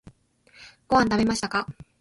ご飯を食べましたか？